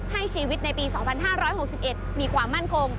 ให้ชีวิตในปี๒๕๖๑มีความมั่นคง